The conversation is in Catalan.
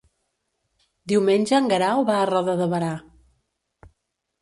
Diumenge en Guerau va a Roda de Berà.